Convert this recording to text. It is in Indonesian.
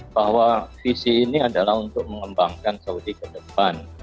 bahwa visi ini adalah untuk mengembangkan saudi ke depan